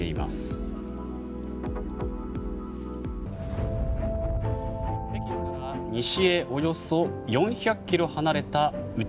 北京から西へおよそ４００ｋｍ離れた内